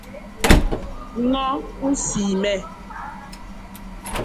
ñño u nsii me.